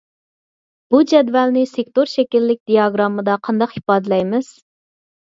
بۇ جەدۋەلنى سېكتور شەكىللىك دىياگراممىدا قانداق ئىپادىلەيمىز؟